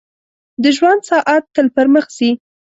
• د ژوند ساعت تل پر مخ ځي.